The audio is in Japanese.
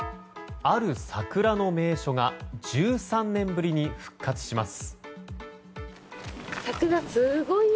ある桜の名所が１３年ぶりに復活します。